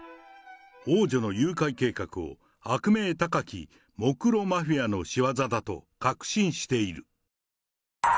王女の誘拐計画を悪名高きモクロ・マフィアのしわざだと確信している。